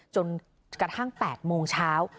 จนกระทั่ง๘โมงเช้า